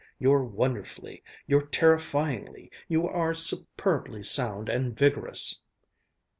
You're wonderfully, you're terrifyingly, you are superbly sound and vigorous!"